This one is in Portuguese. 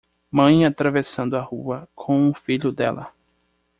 Mãe atravessando a rua com o filho dela.